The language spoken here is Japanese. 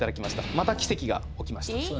また奇跡が起きました。